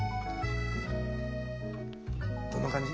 どんな感じ？